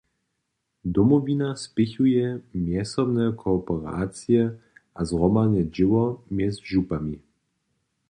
Domowina spěchuje mjezsobne kooperacije a zhromadne dźěło mjez župami.